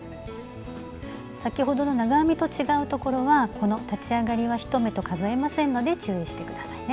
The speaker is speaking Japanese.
先ほどの長編みと違うところはこの立ち上がりは１目と数えませんので注意して下さいね。